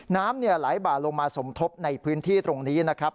น้ำไหลบ่าลงมาสมทบในพื้นที่ตรงนี้นะครับ